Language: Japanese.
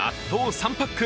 ３パック